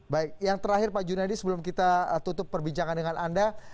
baik yang terakhir pak junaidi sebelum kita tutup perbincangan dengan anda